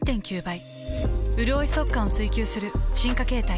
うるおい速乾を追求する進化形態。